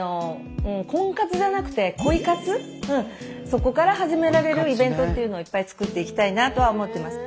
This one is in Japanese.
そこから始められるイベントっていうのをいっぱい作っていきたいなとは思ってます。